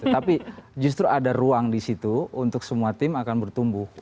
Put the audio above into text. tapi justru ada ruang di situ untuk semua tim akan bertumbuh